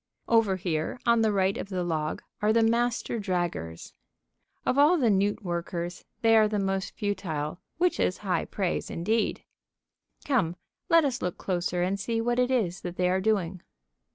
Over here on the right of the log are the Master Draggers. Of all the newt workers, they are the most futile, which is high praise indeed. Come, let us look closer and see what it is that they are doing.